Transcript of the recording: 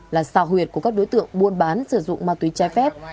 là sao huyệt của các đối tượng buôn bán sử dụng ma túy trái phép